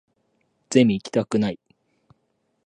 ゼミ行きたくない